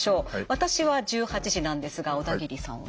私は１８時なんですが小田切さんは？